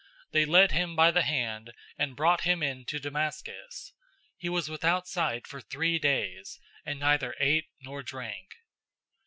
They led him by the hand, and brought him into Damascus. 009:009 He was without sight for three days, and neither ate nor drank.